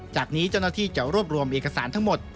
จากนี้เจ้าหน้าที่จะรวบรวมเอกสารทั้งหมด